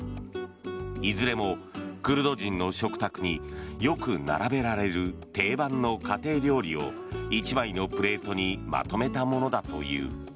いずれもクルド人の食卓によく並べられる定番の家庭料理を１枚のプレートにまとめたものだという。